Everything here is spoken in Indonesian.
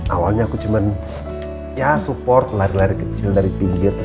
awalnya aku cuma ya support lari lari kecil dari pinggir